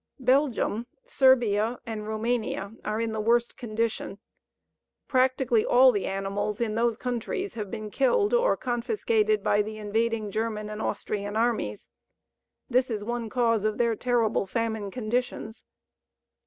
Belgium, Serbia, and Roumania are in the worst condition. Practically all the animals in those countries have been killed or confiscated by the invading German and Austrian armies. This is one cause of their terrible famine conditions.